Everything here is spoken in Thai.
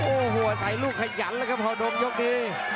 โอ้โหใส่ลูกขยันเลยครับหาดงยกดี